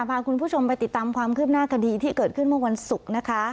พาคุณผู้ชมไปติดตามความคืบหน้าคดีที่เกิดขึ้นเมื่อวันศุกร์นะคะ